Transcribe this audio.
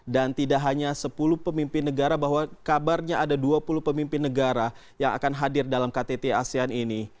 dan tidak hanya sepuluh pemimpin negara bahwa kabarnya ada dua puluh pemimpin negara yang akan hadir dalam ktt asean ini